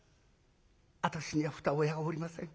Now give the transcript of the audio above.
私には二親がおりません。